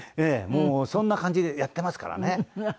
もうそんな感じでやってますからね。